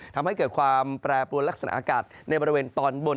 ทำให้เกิดความแปรปวนลักษณะอากาศในบริเวณตอนบน